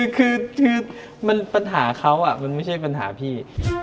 คือปัญหาเขามันไม่ใช่ปัญหาพี่